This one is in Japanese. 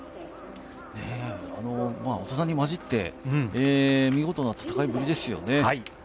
大人に交じって、見事な戦いぶりですよね。